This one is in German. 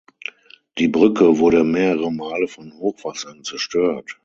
Die Brücke wurde mehrere Male von Hochwassern zerstört.